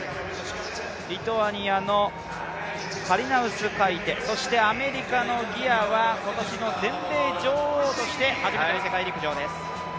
リトアニアのカリナウスカイテ、そしてアメリカのギアは今年の全米女王として初めての世界陸上です。